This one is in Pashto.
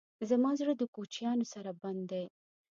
زما زړه د کوچیانو سره بند دی.